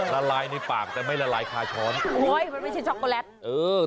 อร่ายในปากจะไม่ละลายคลาช้อนเฮ้ยมันไม่ใช่ฉ็อคโกแลต